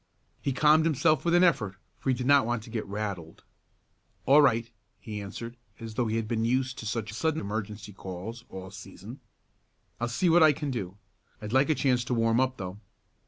He calmed himself with an effort for he did not want to get "rattled." "All right," he answered as though he had been used to such sudden emergency calls all season. "I'll see what I can do. I'd like a chance to warm up, though."